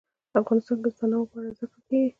افغانستان کې د تنوع په اړه زده کړه کېږي.